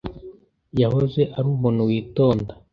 Yahoze ari umuntu witonda.